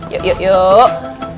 yuk yuk yuk